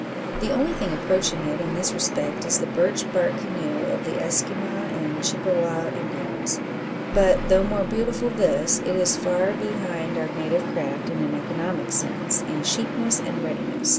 The only thing approaching it in this respect is the birch bark canoe of the Esquimaux and the Chippeway Indians. But, though more beautiful this, it is far behind our native craft in an economic sense in cheapness and readiness.